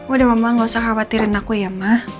udah mama nggak usah khawatirin aku ya ma